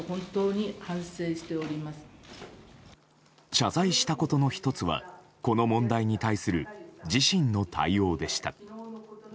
謝罪したことの１つはこの問題に対する自身の対応でした。